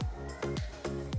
bagaimana cara mengonsumsi buah